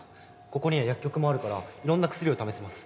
ここには薬局もあるからいろんな薬を試せます。